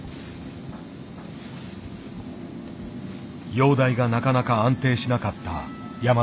容体がなかなか安定しなかった山崎さん。